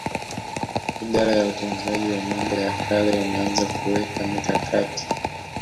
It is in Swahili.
Idara ya Utunzaji wa Mambo ya Kale wameanza kuweka mikakati